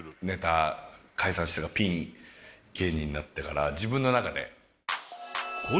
解散してピン芸人になってから自分の中で。